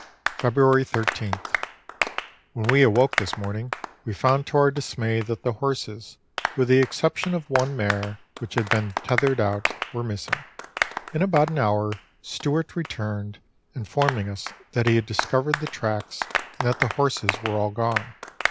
February 13th. When we awoke this morning we found to our dismay that the horses, with the exception of one mare, which had been tethered out, were missing. In about an hour Stewart re turned, informing us that he had discovered the tracks, and that the horses were all gone.